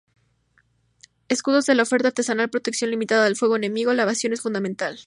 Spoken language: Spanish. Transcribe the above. Escudos de la oferta artesanal protección limitada del fuego enemigo; la evasión es fundamental.